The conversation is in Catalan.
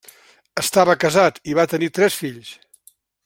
Estava casat i va tenir tres fills.